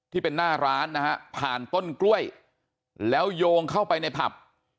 ที่เป็นหน้าร้านนะฮะผ่านต้นกล้วยแล้วโยงเข้าไปในผับ